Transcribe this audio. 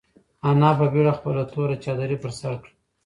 انا په بېړه خپله توره چادري پر سر کړه.